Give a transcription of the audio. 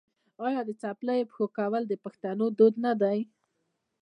آیا د څپلیو په پښو کول د پښتنو دود نه دی؟